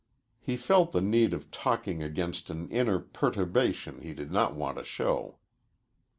He felt the need of talking against an inner perturbation he did not want to show.